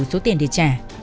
số tiền để trả